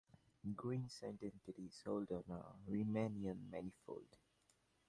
Green's identities hold on a Riemannian manifold.